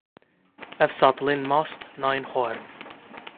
Ev satilên mêst nayên xwarin.